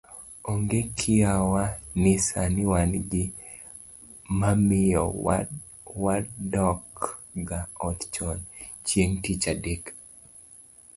Onge kiawa ni sani wan gi mamiyo wadokga ot chon chieng' tich adek